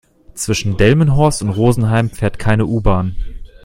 Zwischen Delmenhorst und Rosenheim fährt keine U-Bahn